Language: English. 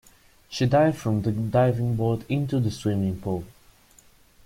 She dived from the diving board into the swimming pool.